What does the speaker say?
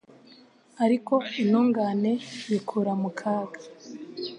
ariko intungane yikura mu kaga